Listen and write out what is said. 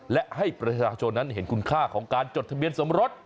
และให้ประชาชนนั้นเห็นคุณค่าของการจดทะเบียนสมรส